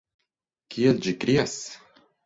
Kiel ĝi krias!